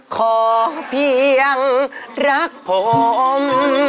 ขอเพียงรักผม